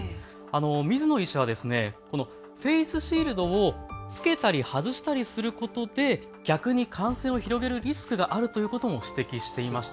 水野医師はこのフェースシールドを着けたり外したりすることで逆に感染を広げるリスクがあるということも指摘していました。